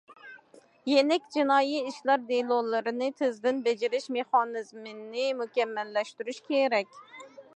يېنىك جىنايى ئىشلار دېلولىرىنى تېزدىن بېجىرىش مېخانىزمىنى مۇكەممەللەشتۈرۈش كېرەك.